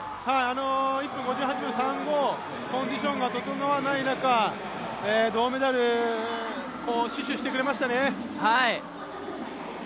１分５８秒３５、コンディションが整わない中、銅メダルを死守してくれましたね。